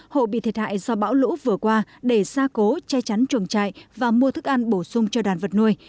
hộ bị thiệt hại do bão lũ vừa qua để xa cố che chắn chuồng trại và mua thức ăn bổ sung cho đàn vật nuôi